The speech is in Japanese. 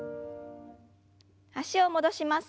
脚を戻します。